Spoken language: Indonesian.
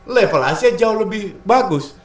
level asia jauh lebih bagus